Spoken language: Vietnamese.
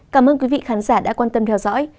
cảm ơn quý vị khán giả đã quan tâm theo dõi